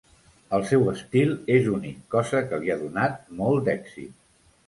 El seu estil és únic, cosa que li ha donat molt d'èxit.